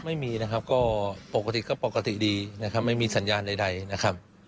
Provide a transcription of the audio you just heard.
ไม่มีนะครับก็ปกติก็ปกติดีนะครับไม่มีสัญญาณใดนะครับ